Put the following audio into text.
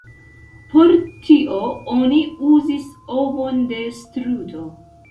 Por tio oni uzis ovon de struto.